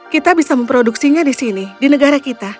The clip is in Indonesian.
kita bisa memproduksinya di sini di negara kita